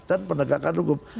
dan penegakan hukum